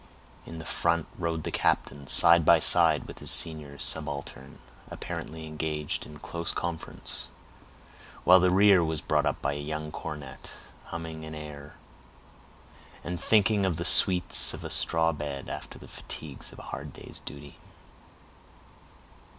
In the front rode the captain, side by side with his senior subaltern, apparently engaged in close conference, while the rear was brought up by a young cornet, humming an air, and thinking of the sweets of a straw bed after the fatigues of a hard day's duty.